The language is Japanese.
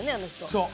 そう。